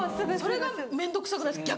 それが面倒くさくないですか？